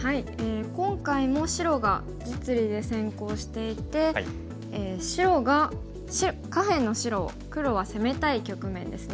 今回も白が実利で先行していて下辺の白を黒は攻めたい局面ですね。